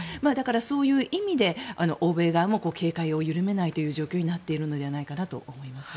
そういう意味で、欧米側も警戒を緩めない状況になっているのではないかなと思います。